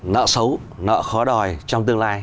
nợ xấu nợ khó đòi trong tương lai